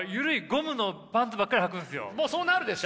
もうそうなるでしょ？